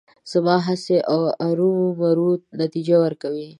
زما هڅې ارومرو نتیجه ورکوي.